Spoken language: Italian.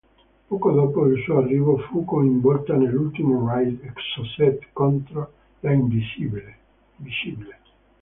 Poco dopo il suo arrivo fu coinvolta nell'ultimo raid Exocet contro la "Invincible".